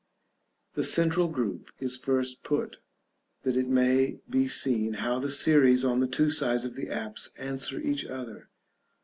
The central group is put first, that it may be seen how the series on the two sides of the apse answer each other.